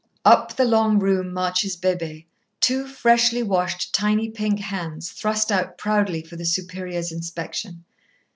Up the long room marches Bébée, two freshly washed tiny pink hands thrust out proudly for the Superior's inspection.